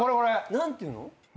何ていうの？